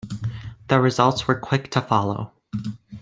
The results were quick to follow.